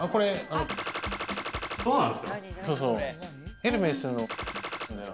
エルメスの。